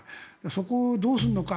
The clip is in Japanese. そこをどうするのか。